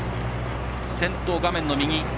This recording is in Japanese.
先頭、画面の右。